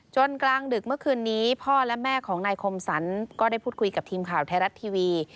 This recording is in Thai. กลางดึกเมื่อคืนนี้พ่อและแม่ของนายคมสรรก็ได้พูดคุยกับทีมข่าวไทยรัฐทีวี